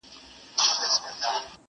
چي پاچا وي څوک په غېږ کي ګرځولی،